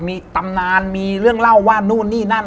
มีตำนานมีเรื่องเล่าว่านู่นนี่นั่น